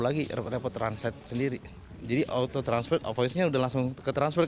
lagi repot repot translate sendiri jadi auto transfer avoice nya udah langsung ke transfer